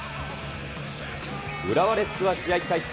浦和レッズは試合開始